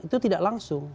itu tidak langsung